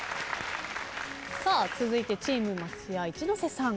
続いてチーム松也一ノ瀬さん。